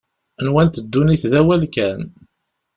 Nwant ddunit d awal kan.